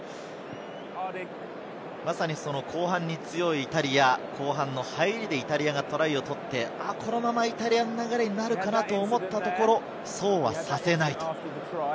まさに後半に強いイタリア、後半の入りでイタリアがトライを取って、このままイタリアの流れになるかと思ったところ、そうはさせない。